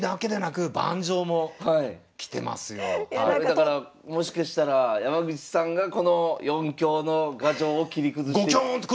だからもしかしたら山口さんがこの４強の牙城を切り崩して。